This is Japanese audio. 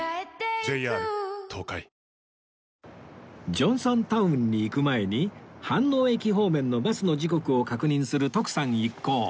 ジョンソンタウンに行く前に飯能駅方面のバスの時刻を確認する徳さん一行